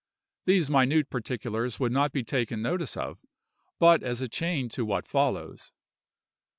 These minute particulars would not be taken notice of, but as a chain to what follows.